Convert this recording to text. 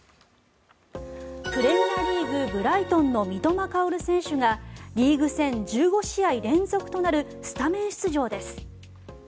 プレミアリーグブライトンの三笘薫選手がリーグ戦１５試合連続となるスタメン出場です。